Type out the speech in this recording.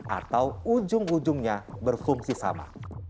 atau ujung ujungnya berfungsi sama